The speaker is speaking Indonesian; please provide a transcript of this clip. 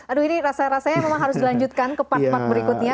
aduh ini rasa rasanya memang harus dilanjutkan ke part part berikutnya